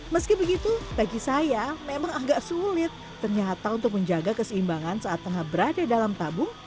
meski begitu bagi saya memang agak sulit ternyata untuk menjaga keseimbangan saat tengah berada dalam tabung